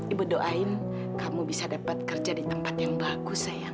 ibu doain kamu bisa dapat kerja di tempat yang bagus sayang